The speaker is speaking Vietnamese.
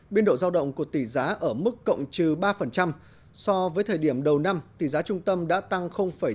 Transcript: biên độ giao động của tỷ giá ở mức cộng trừ ba so với thời điểm đầu năm tỷ giá trung tâm đã tăng bốn mươi